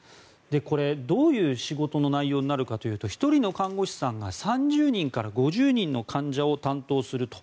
これ、どういう仕事の内容になるかというと１人の看護師さんが３０人から５０人の患者さんを担当すると。